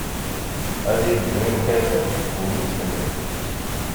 Ad d-yeddem imeqyasen seg twemmust-nni.